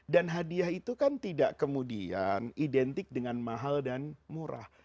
dan hadiah itu kan tidak kemudian identik dengan mahal dan murah